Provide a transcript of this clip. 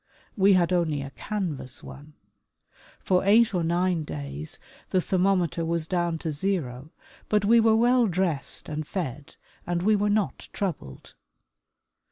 We had only a canvas one. For eight or nine days the thermometer was down to zero, but we were well dressed and fed and we were not troubled.